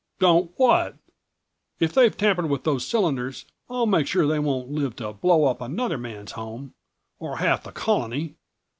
"Don't what? If they've tampered with those cylinders I'll make sure they won't live to blow up another man's home or half the Colony!"